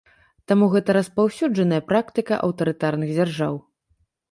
Таму гэта распаўсюджаная практыка аўтарытарных дзяржаў.